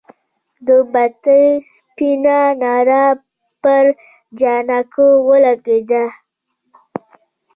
د بتۍ سپينه رڼا پر جانکو ولګېده.